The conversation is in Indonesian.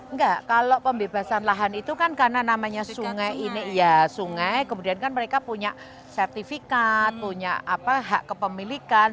enggak kalau pembebasan lahan itu kan karena namanya sungai ini ya sungai kemudian kan mereka punya sertifikat punya hak kepemilikan